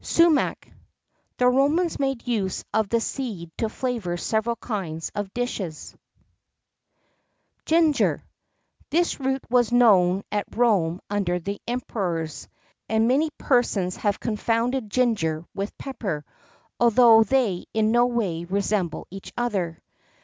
BOSC. SUMACH. The Romans made use of the seed to flavour several kinds of dishes.[X 49] GINGER. This root was known at Rome under the Emperors, and many persons have confounded ginger with pepper, although they in no way resemble each other.